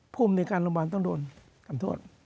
ผู้ในการโรงพยาบาลต้องโดนกรรมโทษ